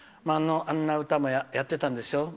あんな歌もやってたんですよ。